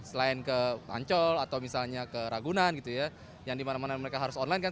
selain ke ancol atau misalnya ke ragunan gitu ya yang dimana mana mereka harus online kan